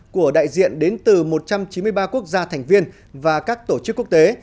của đại diện đến từ một trăm chín mươi ba quốc gia thành viên và các tổ chức quốc tế